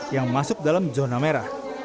yang masuk dalam zona merah